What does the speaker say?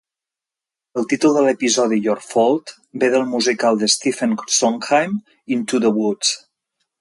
El títol de l'episodi "Your Fault" ve del musical de Stephen Sondheim, "Into the Woods".